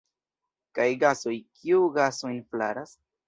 Kaj gasoj – kiu gasojn flaras?